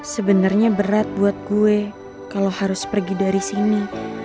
sebenarnya berat buat gue kalau harus pergi dari sini